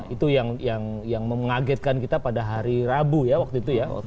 itu yang mengagetkan kita pada hari rabu ya waktu itu ya